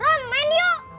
ron main yuk